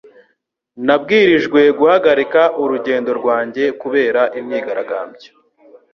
Nabwirijwe guhagarika urugendo rwanjye kubera imyigaragambyo.